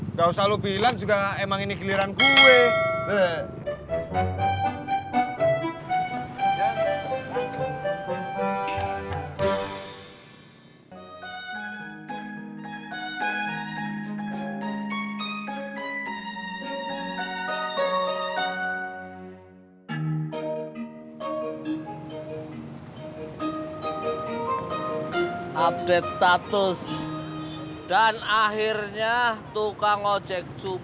nggak usah lu bilang juga emang ini giliran gue